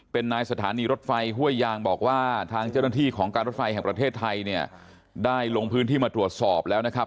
เป็นนายสถานีรถไฟห้วยยางบอกว่าทางเจ้าหน้าที่ของการรถไฟแห่งประเทศไทยเนี่ยได้ลงพื้นที่มาตรวจสอบแล้วนะครับ